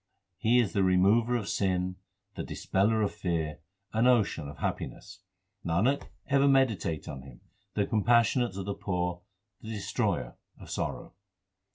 He is the remover of sin, the dispeller of fear, an ocean of happiness. Nanak, ever meditate on Him, the Compassionate to the poor, the Destroyer of sorrow.